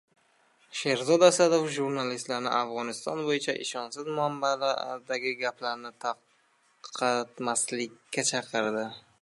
Sherzod Asadov jurnalistlarni Afg‘oniston bo‘yicha ishonchsiz manbalardagi gaplarni tarqatmaslikka chaqirdi